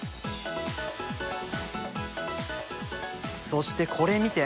そしてこれ見て！